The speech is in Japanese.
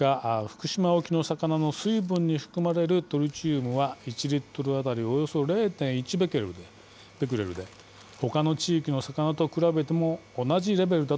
福島沖の魚の水分に含まれるトリチウムは１リットル当たりおよそ０．１ベクレルでほかの地域の魚と比べても同じレベルだといいます。